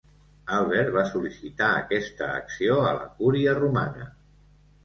Albert va sol·licitar aquesta acció a la cúria romana.